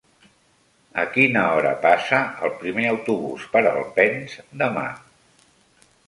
A quina hora passa el primer autobús per Alpens demà?